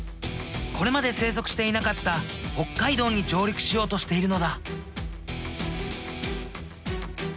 これまで生息していなかった北海道に上陸しようとしているのだ。